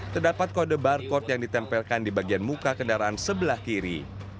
terdapat kode barcode yang ditempelkan di bagian muka kendaraan sebelah kiri